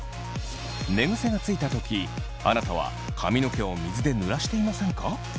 寝ぐせがついた時あなたは髪の毛を水で濡らしていませんか？